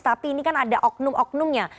tapi ini kan ada oknum oknumnya